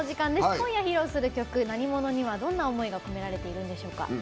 今日、披露する「なにもの」には、どんな思いが込められているんでしょうか？